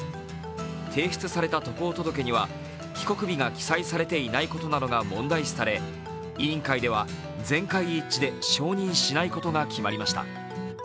提出された渡航届には帰国日が記載されていないことなどが問題視され委員会では全会一致で承認しないことが決まりました。